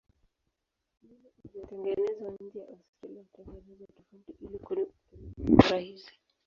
Milo iliyotengenezwa nje ya Australia hutengenezwa tofauti ili kutumika kwa urahisi.